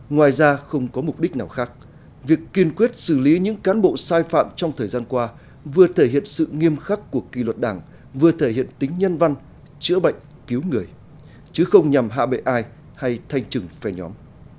ngoài ra không có mục đích nào khác việc kiên quyết xử lý những cán bộ sai phạm trong thời gian qua vừa thể hiện sự nghiêm khắc của kỳ luật đảng vừa thể hiện tính nhân văn chữa bệnh cứu người chứ không nhằm hạ bệ ai hay thanh trừng phe nhóm